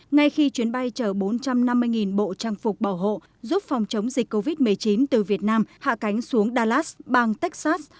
ngay khi chuyến bay chở bốn trăm năm mươi bộ trang phục bảo hộ giúp phòng chống dịch covid một mươi chín từ việt nam hạ cánh xuống dallas bang texas